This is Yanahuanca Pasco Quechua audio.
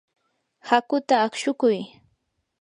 hakuta aqshukuy.